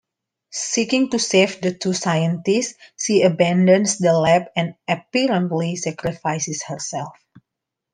Seeking to save the two scientists, she abandons the lab and apparently sacrifices herself.